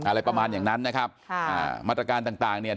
อะไรประมาณอย่างนั้นนะครับมาตรการต่างเนี่ย